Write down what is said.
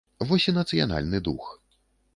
Вось і нацыянальны дух.